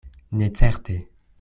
Ne certe.